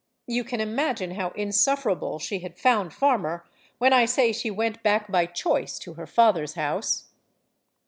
You can imagine how insufferable she had found Farmer, when I say she went back by choice to her father's house.